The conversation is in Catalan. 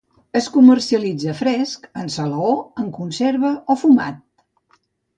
Es comercialitza fresc, en salaó, en conserva o fumat.